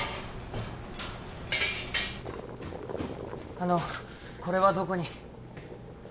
あのこれはどこに？